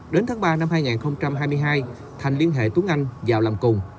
đến tháng ba năm hai nghìn hai mươi hai thành liên hệ tuấn anh vào làm cùng